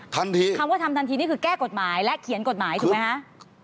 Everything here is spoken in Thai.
คำว่าทำทันทีนี่คือแก้กฎหมายและเขียนกฎหมายถูกไหมคะ